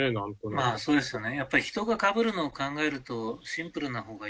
まあそうですよね。